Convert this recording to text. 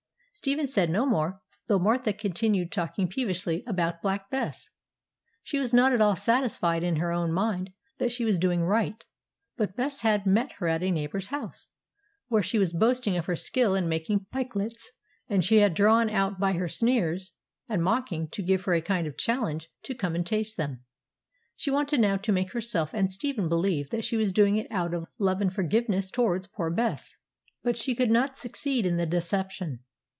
Stephen said no more, though Martha continued talking peevishly about Black Bess. She was not at all satisfied in her own mind that she was doing right; but Bess had met her at a neighbour's house, where she was boasting of her skill in making pikelets, and she had been drawn out by her sneers and mocking to give her a kind of challenge to come and taste them. She wanted now to make herself and Stephen believe that she was doing it out of love and forgiveness towards poor Bess; but she could not succeed in the deception.